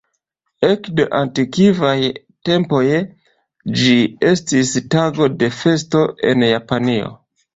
Ekde antikvaj tempoj ĝi estis tago de festo en Japanio.